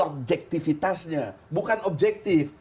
objektifitasnya bukan objektif